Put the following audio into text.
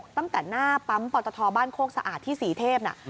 ตั้งแต่หน้าปั๊มปอตทบ้านโคกสะอาดที่ศรีเทพน่ะ